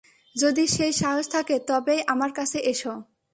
যদি সেই সাহস থাকে, তবেই আমার কাছে এসো।